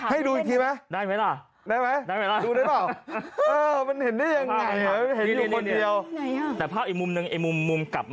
หรือหรือแต่เมื่อกี้บอกไม่ทัน